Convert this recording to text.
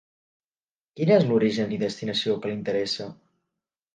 Quin és l'origen i destinació que li interessa?